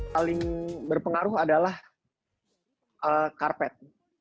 paling berpengaruh adalah karpet